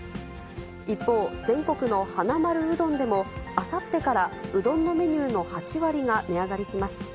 一方、全国のはなまるうどんでも、あさってからうどんのメニューの８割が値上がりします。